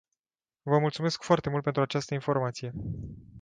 Vă mulțumesc foarte mult pentru această informație.